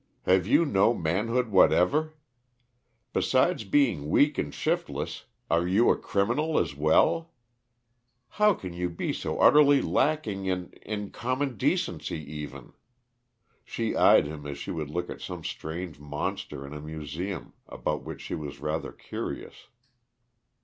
Have you no manhood whatever? Besides being weak and shiftless, are you a criminal as well? How can you be so utterly lacking in in common decency, even?" She eyed him as she would look at some strange monster in a museum about which she was rather curious.